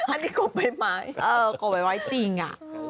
อันนี้กบไว้ไม้เออกบไว้ไว้จริง